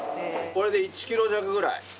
これで１ｋｇ弱ぐらい。